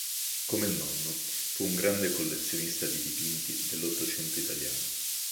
Come il nonno, fu un grande collezionista di dipinti dell'Ottocento italiano.